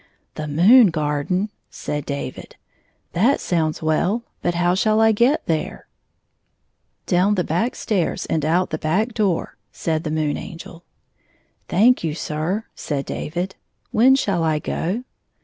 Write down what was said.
"The moon garden?" said David. "That sounds well, but how shall I get there ?"" Down the back stall's and out the back door," said the Moon Angel. " Thank you, sh ," said David. " When shall I go?"